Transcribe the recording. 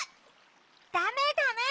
ダメダメ！